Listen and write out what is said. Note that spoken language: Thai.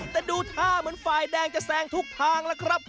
แต่ดูท่าเหมือนไฟล์แดงจะแสงทุกทางล่ะครับ